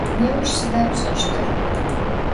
Nêuş sıda pş'eştır?